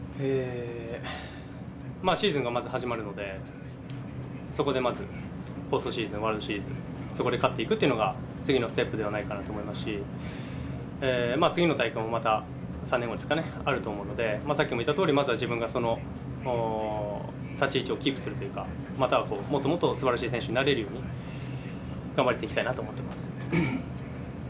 シーズンがまず始まるので、そこでまずポストシーズン、ワールドシリーズ、そこで勝っていくっていうのが、次のステップになるのではないかなと思ってますし、次の大会もまた３年後ですかね、あると思うので、さっきも言ったとおり、まずは自分がその立ち位置をキープするというか、またはもっともっとすばらしい選手になれるように、頑張っていきたいなと思ってます。